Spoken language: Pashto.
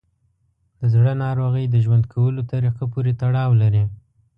د زړه ناروغۍ د ژوند کولو طریقه پورې تړاو لري.